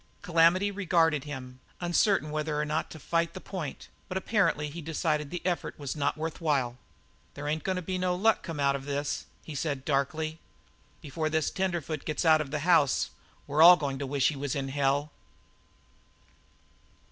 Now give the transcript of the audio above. Calamity regarded him, uncertain whether or not to fight out the point, but apparently decided that the effort was not worth while. "There ain't going to be no luck come out of this," he said darkly. "Before this tenderfoot gets out of the house, we're all going to wish he was in hell."